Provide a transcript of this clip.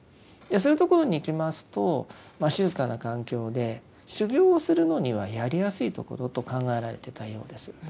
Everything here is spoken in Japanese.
そういうところに行きますと静かな環境で修行をするのにはやりやすいところと考えられてたようです。